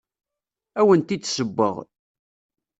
Ad awent-d-ssewweɣ.